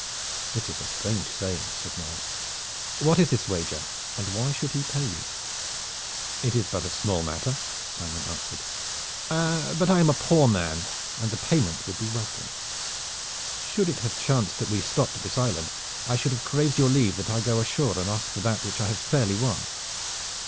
"This is a strange saying," said Knolles. "What is this wager, and why should he pay you?" "It is but a small matter," Simon answered; "but I am a poor man and the payment would be welcome. Should it have chanced that we stopped at this island I should have craved your leave that I go ashore and ask for that which I have fairly won."